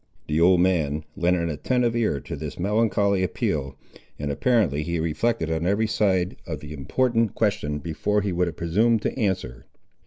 The old man lent an attentive ear to this melancholy appeal, and apparently he reflected on every side of the important question, before he would presume to answer.